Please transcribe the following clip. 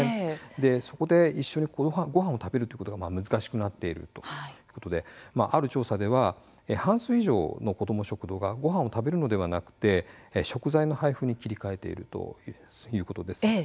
そこで一緒にごはんを食べるということが難しくなっているということである調査では半数以上の子ども食堂ではごはんを食べるのではなくて食材の配布に切り替えているということです。